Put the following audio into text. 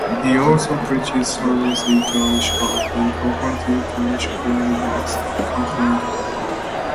He also preached sermons in Danish and incorporated Danish choral works accompanied by organ.